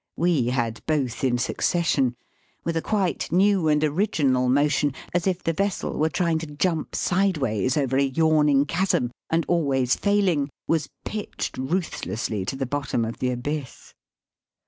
We had both in succession, with a quite new and original motion, as if the vessel were trying to jump sideways over a yawning chasm, and, always failing, was pitched ruthlessly to the bottom of the abyss.